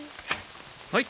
はい。